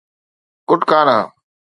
ڪٽڪانا